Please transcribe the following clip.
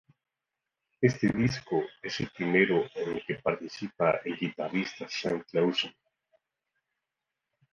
Este disco es el primero en el que participa el guitarrista Sam Coulson.